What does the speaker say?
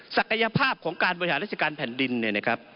ศักยภาพของการบริหารราชการแผ่นดินเนี่ยนะครับ